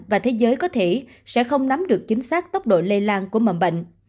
và thế giới có thể sẽ không nắm được chính xác tốc độ lây lan của mầm bệnh